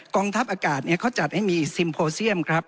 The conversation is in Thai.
งทัพอากาศเขาจัดให้มีซิมโพเซียมครับ